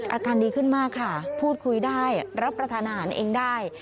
อาการดีขึ้นมากค่ะพูดคุยได้รับประทานอาหารเองได้